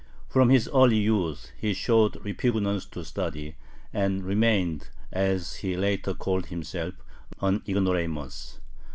From his early youth he showed repugnance to study, and remained, as he later called himself, an ignoramus.